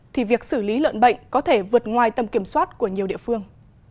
thì việc xử lý lợn bệnh có thể vượt ngoài tầm kiểm soát của nhiều địa phương